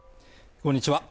こんにちは